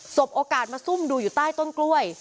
บโอกาสมาซุ่มดูอยู่ใต้ต้นกล้วย